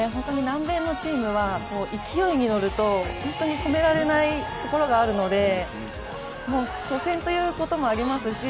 南米のチームは勢いに乗ると本当に止められないところがあるので初戦ということもありますし